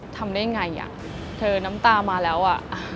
ทำได้ไงอ่ะเธอน้ำตามาแล้วอ่ะ